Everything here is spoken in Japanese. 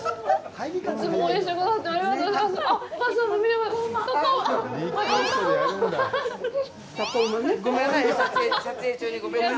いつも応援してくださってありがとうございます。